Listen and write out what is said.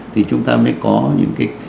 thì chúng ta mới có những cái